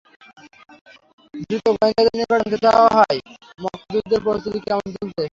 ধৃত গোয়েন্দাদের নিকট জানতে চাওয়া হয়, মক্কায় যুদ্ধের প্রস্তুতি কেমন চলছে?